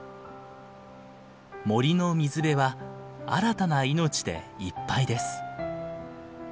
森の水辺は新たな命でいっぱいです。